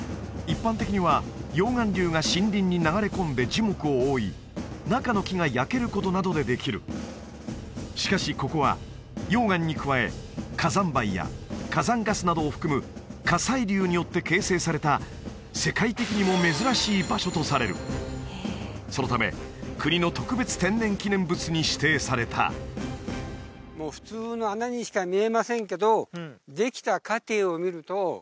一般的には溶岩流が森林に流れ込んで樹木を覆い中の木が焼けることなどでできるしかしここは溶岩に加え火山灰や火山ガスなどを含む火砕流によって形成された世界的にも珍しい場所とされるそのため国の特別天然記念物に指定されたそうなんですよ